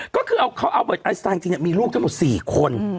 ก็คือเขาเอาเบิร์ดไอสไตล์จริงมีลูกทั้งหมด๔คน